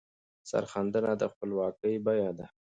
سرښندنه د خپلواکۍ بیه ده.